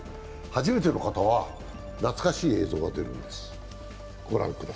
初めての方は、懐かしい映像が出るんです。